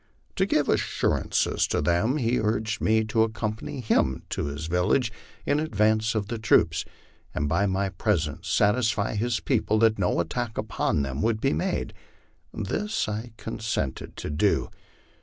To give assurance to them he urged me to accompany him to his village in adrance of the troops, and by my presence satisfy his pedple that no attack upon them would be made. This I consented to do.